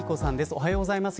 おはようございます。